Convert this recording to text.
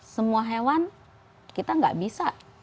semua hewan kita nggak bisa